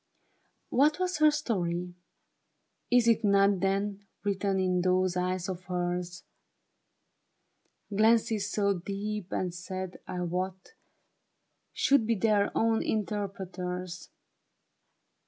What was her story ? Is it not Then, written in those eyes of hers ? Glances so deep and sad, I wot, Should be their own interpreters.